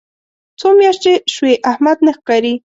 څو میاشتې شوې احمد نه ښکاري.